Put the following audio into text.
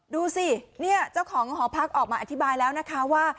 ดูสิเนี่ยเจ้าของหอพักออกมาอธิบายแล้วนะคะว่า